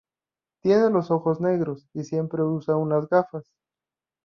Tiene los ojos negros y siempre usa unas gafas.